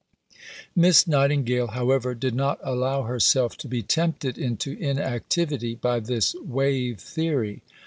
Miss Nightingale, however, did not allow herself to be tempted into inactivity by this wave theory.